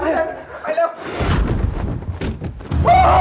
บอกแล้วไงให้กลับ